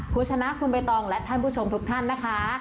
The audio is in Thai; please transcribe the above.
คุณชนะคุณใบตองและท่านผู้ชมทุกท่านนะคะ